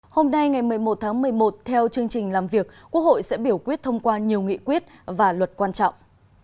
hôm nay ngày một mươi một tháng một mươi một theo chương trình làm việc quốc hội sẽ biểu quyết thông qua nhiều nghị quyết và luật quan trọng